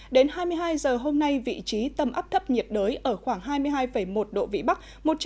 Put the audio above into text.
đến hai mươi hai giờ hôm nay vị trí tâm áp thấp nhiệt đới ở khoảng hai mươi hai một độ vĩ bắc